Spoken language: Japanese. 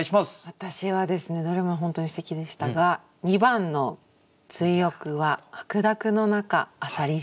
私はですねどれも本当にすてきでしたが２番の「追憶は白濁のなか浅蜊汁」。